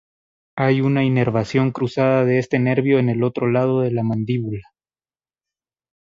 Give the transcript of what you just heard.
Hay una inervación cruzada de este nervio en el otro lado de la mandíbula.